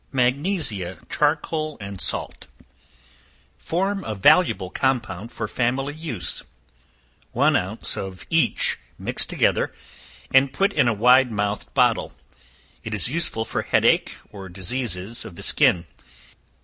Magnesia, Charcoal and Salts. Form a valuable compound for family use: one ounce of each mixed together, and put in a wide mouthed bottle; it is useful for head ache, or diseases of the skin.